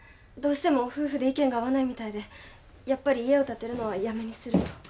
どうしても夫婦で意見が合わないみたいでやっぱり家を建てるのはやめにすると。